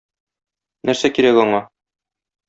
Нәрсә кирәк аңа?